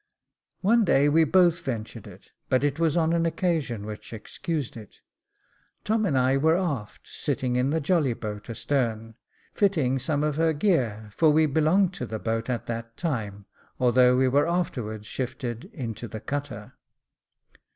One day we both ventured it, but it was on an occasion which excused it. Tom and I were aft, sitting in Jacob Faithful 359 the jolly boat astern, fitting some of her gear, for we belonged to the boat at that time, although we were after wards shifted into the cutter.